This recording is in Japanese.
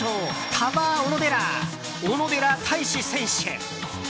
タワー・オノ・デラー小野寺太志選手！